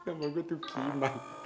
nama gue tukiman